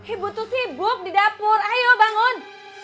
ibu tuh sibuk di dapur ayo bangun